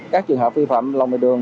các trường hợp vi phạm lồng lề đường